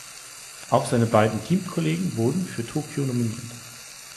Auch seine beiden Teamkollegen wurden für Tokio nominiert.